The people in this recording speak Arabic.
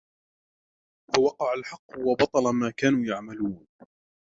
فَوَقَعَ الْحَقُّ وَبَطَلَ مَا كَانُوا يَعْمَلُونَ